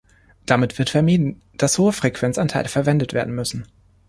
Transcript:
Damit wird vermieden, dass hohe Frequenzanteile verwendet werden müssen.